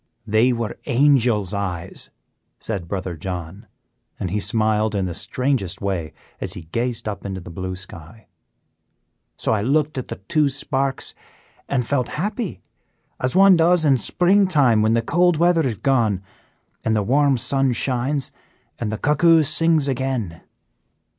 "They were angel's eyes," said Brother John; and he smiled in the strangest way, as he gazed up into the blue sky. "So I looked at the two sparks and felt happy, as one does in spring time when the cold weather is gone, and the warm sun shines, and the cuckoo sings again.